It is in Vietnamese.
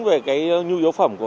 về cái nhu yếu phẩm